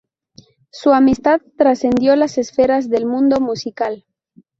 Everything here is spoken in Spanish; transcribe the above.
Su amistad trascendió las esferas del mundo musical.